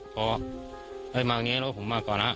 พอเฮ้ยมาอย่างนี้แล้วผมมาก่อนนะ